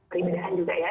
keindahan juga ya